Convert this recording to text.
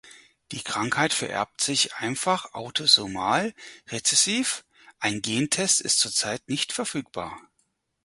Die Krankheit vererbt sich einfach autosomal rezessiv, ein Gentest ist zurzeit nicht verfügbar.